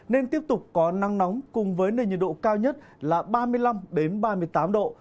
nên tiếp tục có nắng nóng cùng với nền nhiệt độ cao nhất là ba mươi năm ba mươi tám độ